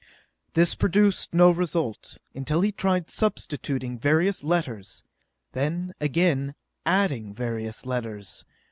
This produced no result, until he tried substituting various letters; then, again, adding various letters.